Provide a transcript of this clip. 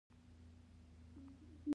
ځای پر ځای شوي وو.